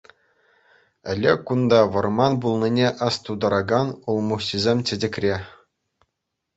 Ӗлӗк кунта вӑрман пулнине астутаракан улмуҫҫисем чечекре.